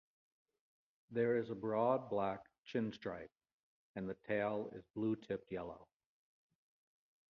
There is a broad black chin stripe and the tail is blue tipped yellow.